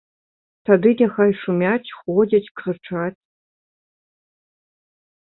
Тады няхай шумяць, ходзяць, крычаць.